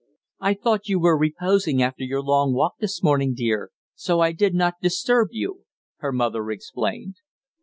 "I thought you were reposing after your long walk this morning, dear; so I did not disturb you," her mother explained.